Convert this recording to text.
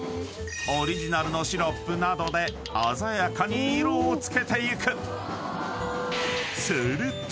［オリジナルのシロップなどで鮮やかに色を付けていく］